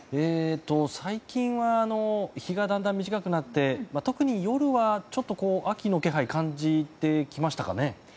最近は日がだんだん短くなって特に、夜は秋の気配感じてきましたかね。